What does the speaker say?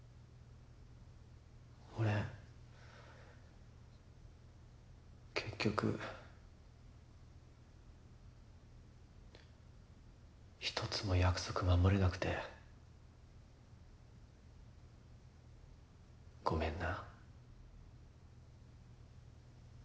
俺結局１つも約束守れなくてごめんな。